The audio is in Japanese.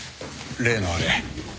例のあれ。